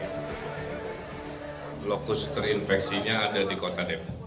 lokus terinfeksinya ada di kota depok